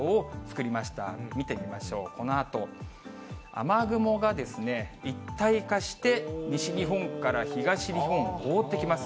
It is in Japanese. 雨雲が一体化して、西日本から東日本、覆ってきます。